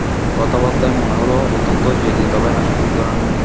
কথাবার্তায় মনে হলো অত্যন্ত জেদি, তবে হাসিখুশি ধরনের মেয়ে।